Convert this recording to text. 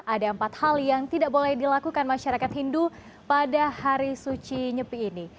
ada empat hal yang tidak boleh dilakukan masyarakat hindu pada hari suci nyepi ini